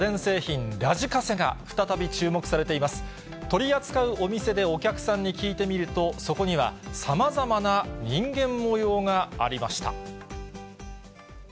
取り扱うお店でお客さんに聞いてみると、そこには、さまざまな人間もようがありました。